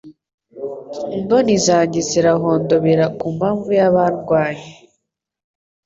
imboni zanjye zirahondobera ku mpamvu y’abandwanya